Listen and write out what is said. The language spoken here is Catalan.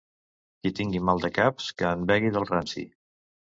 Qui tingui maldecaps, que en begui del ranci.